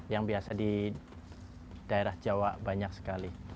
yang biasa di daerah jawa banyak sekali